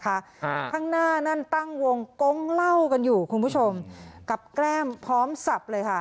ข้างหน้านั่นตั้งวงกงเล่ากันอยู่คุณผู้ชมกับแก้มพร้อมสับเลยค่ะ